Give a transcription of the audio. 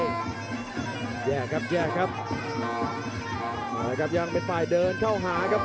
แจ่ครับแจ่ครับอ่าครับยังเป็นฝ่ายเดินเข้าหาครับ